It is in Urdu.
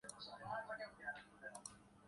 دوسروں کے منصوبوں میں رکاوٹ بنتا ہوں